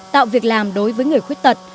tạo việc làm đối với người khuất tật